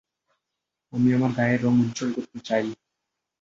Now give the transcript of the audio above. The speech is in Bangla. আমি আমার গায়ের রঙ উজ্জ্বল করতে চাই।